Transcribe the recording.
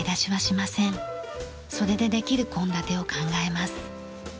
それでできる献立を考えます。